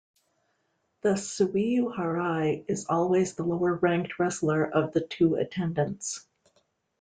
The "tsuyuharai" is always the lower ranked wrestler of the two attendants.